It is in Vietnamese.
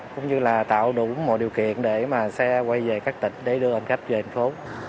cũng như là tạo đủ mọi điều kiện để mà xe quay về các tỉnh để đưa hành khách về thành phố